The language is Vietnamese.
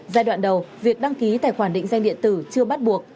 giai đoạn đầu việc đăng ký tài khoản định danh điện tử chưa bắt buộc